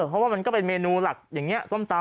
เพราะว่ามันก็เป็นเมนูหลักอย่างนี้ส้มตำ